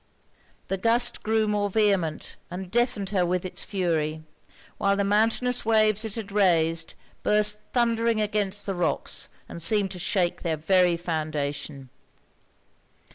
The gust grew more vehement, and deafened her with it's fury; while the mountainous waves it had raised, burst thundering against the rocks and seemed to shake their very foundation.